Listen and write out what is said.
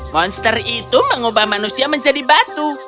monster itu mengubah manusia menjadi batu